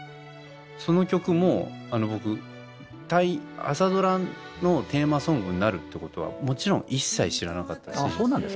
その曲も僕タイ朝ドラのテーマソングになるってことはもちろん一切知らなかったし。